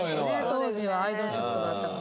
当時はアイドルショップがあったから。